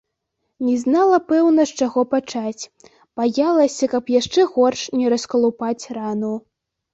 Не знала, пэўна, з чаго пачаць, баялася, каб яшчэ горш не раскалупаць рану.